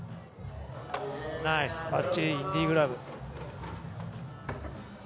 ナイス、ばっちり、インディグラブ。